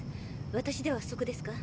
私では不足ですか？